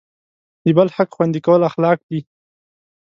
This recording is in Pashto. د بل حق خوندي کول اخلاق دی.